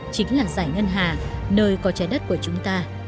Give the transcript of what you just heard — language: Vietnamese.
chính là giải ngân hà nơi có trái đất của chúng ta